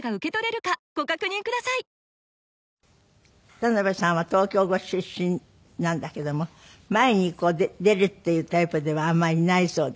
田辺さんは東京ご出身なんだけども前に出るっていうタイプではあまりないそうで。